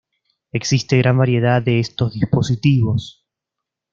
Existe gran variedad de estos dispositivos.